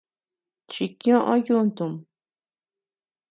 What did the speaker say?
Chikiö yuntum.